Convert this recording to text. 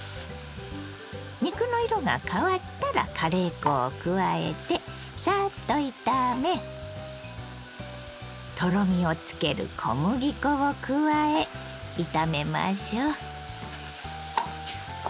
肉の色が変わったらカレー粉を加えてさっと炒めとろみをつける小麦粉を加え炒めましょう。